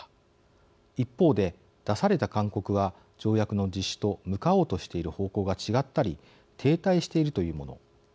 一方で出された勧告は条約の実施と向かおうとしている方向が違ったり停滞しているというもの。